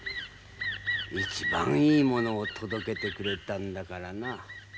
一番いい物を届けてくれたんだからな。